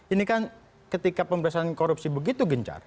ini kan ketika pemberantasan korupsi begitu gencar